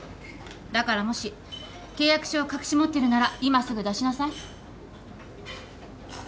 だからもし契約書を隠し持ってるなら今すぐ出しなさい。